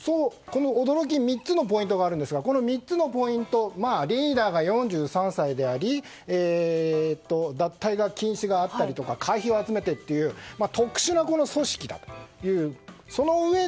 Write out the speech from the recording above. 驚き、３つのポイントがあるんですがこの３つのポイントリーダーが４３歳であり脱退が禁止であったり会費を集めたりという特殊な組織だという。